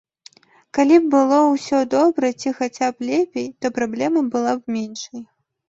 Калі б было ўсё добра ці хаця б лепей, то праблема была б меншай.